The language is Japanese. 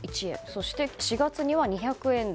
そして４月には２００円台。